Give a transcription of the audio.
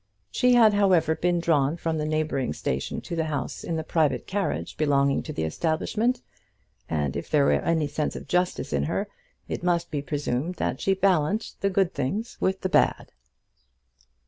She had, however, been drawn from the neighbouring station to the house in the private carriage belonging to the establishment, and if there was any sense of justice in her, it must be presumed that she balanced the good things with the bad.